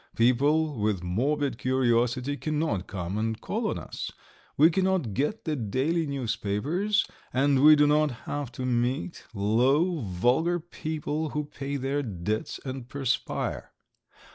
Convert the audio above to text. People with morbid curiosity cannot come and call on us. We cannot get the daily newspapers, and we do not have to meet low, vulgar people who pay their debts and perspire."